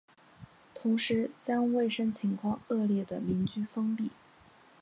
同时将卫生情况恶劣的民居封闭。